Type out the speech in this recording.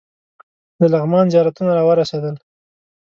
د لغمان زیارتونه راورسېدل.